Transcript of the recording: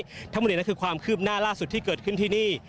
ทั้งหมดนี้คือความคืบหน้าล่าสุดที่เกิดขึ้นที่นี่